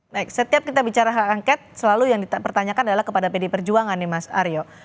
baik setiap kita bicara hak angket selalu yang dipertanyakan adalah kepada pd perjuangan nih mas aryo